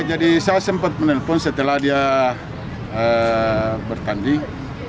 jadi saya sempat menelepon setelah dia bertanding